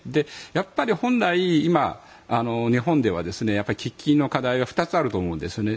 やっぱり本来、今日本では喫緊の課題は２つあると思うんですね。